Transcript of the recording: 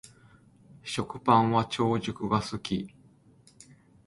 食パンは長熟が好き